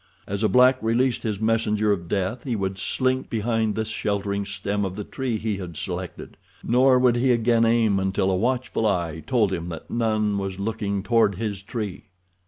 As a black released his messenger of death he would slink behind the sheltering stem of the tree he had selected, nor would he again aim until a watchful eye told him that none was looking toward his tree.